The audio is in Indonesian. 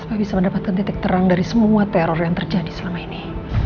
supaya bisa mendapatkan titik terang dari semua teror yang terjadi selama ini